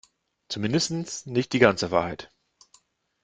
Zumindest nicht die ganze Wahrheit.